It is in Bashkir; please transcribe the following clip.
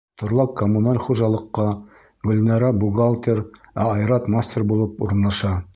Торлаҡ-коммуналь хужалыҡҡа Гөлнара — бухгалтер, ә Айрат мастер булып урынлаша.